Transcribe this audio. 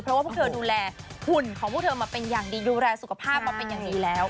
เพราะว่าพวกเธอดูแลหุ่นของพวกเธอมาเป็นอย่างดีดูแลสุขภาพมาเป็นอย่างดีแล้ว